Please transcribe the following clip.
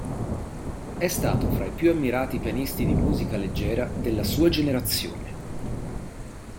È stato fra i più ammirati pianisti di musica leggera della sua generazione.